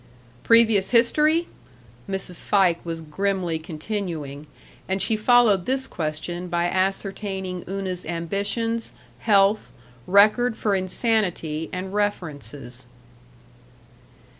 "Previous history?" Mrs. Fike was grimly continuing, and she followed this question by ascertaining Una's ambitions, health, record for insanity, and references.